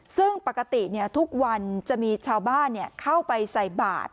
ซึ่งปกติเนี่ยทุกวันจะมีชาวบ้านเนี่ยเข้าไปใส่บาตร